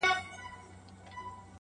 بیا ویشتلی د چا سترګو مستانه یې,